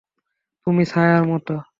তুমি ছায়ার মতো।